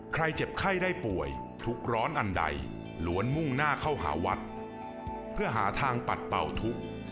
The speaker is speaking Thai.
เจ็บไข้ได้ป่วยทุกข์ร้อนอันใดล้วนมุ่งหน้าเข้าหาวัดเพื่อหาทางปัดเป่าทุกข์